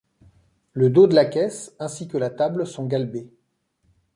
Le dos de la caisse ainsi que la table sont galbés.